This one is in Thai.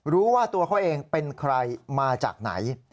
รู้ว่าตัวเขาเองเป็นใครมาจากไหน